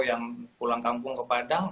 yang pulang kampung ke padang